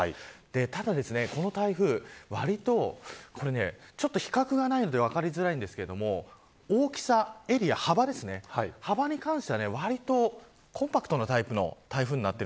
ただ、この台風は比較がないので分かりづらいですが大きさ、エリア、幅に関してはわりとコンパクトなタイプの台風です。